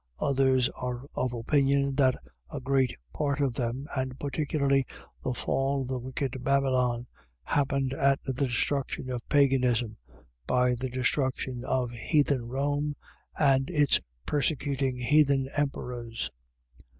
Others are of opinion, that a great part of them, and particularly the fall of the wicked Babylon, happened at the destruction of paganism, by the destruction of heathen Rome, and its persecuting heathen emperors.